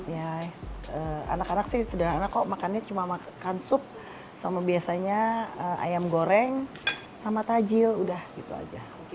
ya anak anak sih sederhana kok makannya cuma makan sup sama biasanya ayam goreng sama tajil udah gitu aja